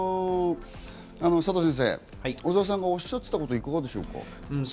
佐藤先生、小澤さんがおっしゃっていたこといかがですか？